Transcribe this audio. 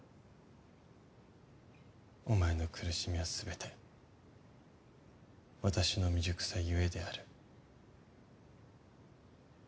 お前の苦しみはすべて私の未熟さゆえである。